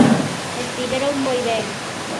Estiveron moi ben.